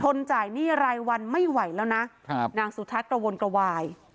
จ่ายหนี้รายวันไม่ไหวแล้วนะครับนางสุทัศน์กระวนกระวาย